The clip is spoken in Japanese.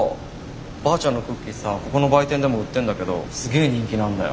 ばあちゃんのクッキーさここの売店でも売ってんだけどすげえ人気なんだよ。